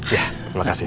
ya terima kasih